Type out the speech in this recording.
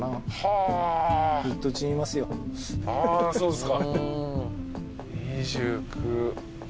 あらそうですか。